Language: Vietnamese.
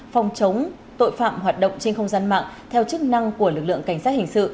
phòng chống tội phạm hoạt động trên không gian mạng theo chức năng của lực lượng cảnh sát hình sự